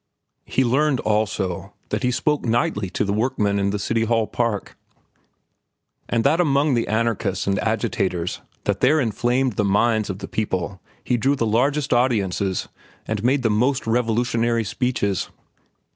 He learned, also, that he spoke nightly to the workmen in the City Hall Park, and that among the anarchists and agitators that there inflamed the minds of the people he drew the largest audiences and made the most revolutionary speeches.